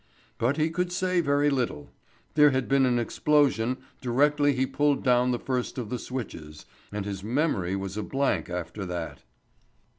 But he could say very little. There had been an explosion directly he pulled down the first of the switches, and his memory was a blank after that.